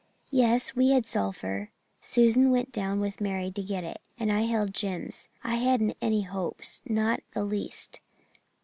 "Yes, we had sulphur. Susan went down with Mary to get it, and I held Jims. I hadn't any hope not the least.